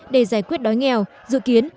để giải quyết đói nghèo dự kiến